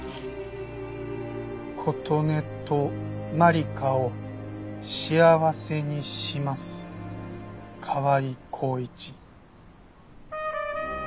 「琴音と万理華を幸せにします」「川井公一」